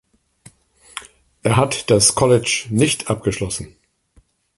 Er hat das College nicht abgeschlossen.